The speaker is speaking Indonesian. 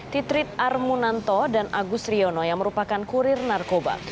titrit armunanto dan agus riono yang merupakan kurir narkoba